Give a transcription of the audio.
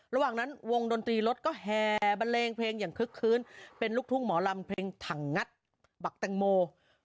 ระหว่างนั้นวงดนตรีรถก็แห่บันเลงเพลงอย่างคึกคืนเป็นลูกทุ่งหมอลำเพลงถังงัดบักแตงโม